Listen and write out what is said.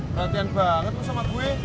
perhatian banget tuh sama gue